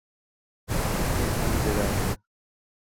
اي خالي جگا هي.